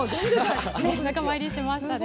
仲間入りしましたね。